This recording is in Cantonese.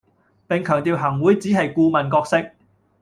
並強調行會只係顧問角色